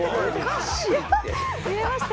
見えました。